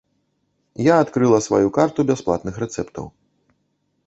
Я адкрыла сваю карту бясплатных рэцэптаў.